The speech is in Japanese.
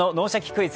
クイズ」